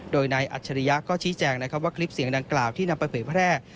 โดยนายอัจฉริยะก็ชี้แจงนะครับว่าคลิปเสียงดังกล่าวที่นำไปเผยแพร่